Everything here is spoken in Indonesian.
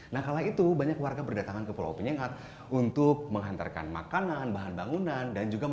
nah kala itu banyak warga berdatangan ke pulau penyengat untuk menghantarkan makanan bahan bangunan